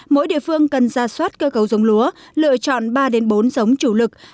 mỗi địa phương cần ra soát cơ cấu giống lúa lựa chọn ba bốn giống chủ lực